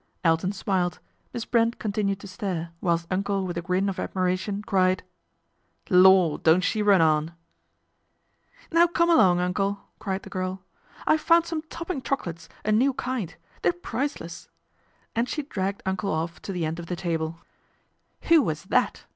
Elton smiled, Miss Brent continued to stare, whilst Uncle with a grin of admiration cried :" Lor', don't she run on !"" Now come along, Uncle !" cried the girl. " I've found some topping chocolates, a new kind. They're priceless," and she dragged Uncle off to the end of the table. PATRICIA BRENT. SPINSTER " Who was that